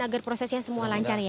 agar prosesnya semua lancar ya